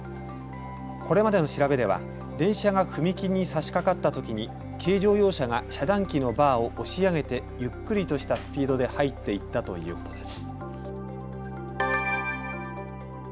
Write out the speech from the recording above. これまでの調べでは電車が踏切にさしかかったときに軽乗用車が遮断機のバーを押し上げてゆっくりとしたスピードで入っていったということです。